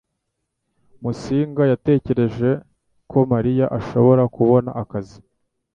Musinga yatekereje ko Mariya ashobora kubona akazi.